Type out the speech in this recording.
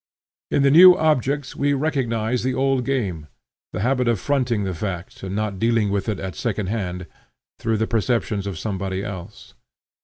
In the new objects we recognize the old game, the Habit of fronting the fact, and not dealing with it at second hand, through the perceptions of somebody else.